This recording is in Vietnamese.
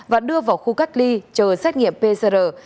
và đưa vào khu cách ly chờ xét nghiệm pcr